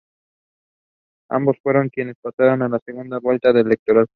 Ambos fueron quienes pasaron a la segunda vuelta electoral.